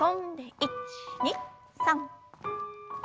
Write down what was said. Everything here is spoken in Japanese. １２３。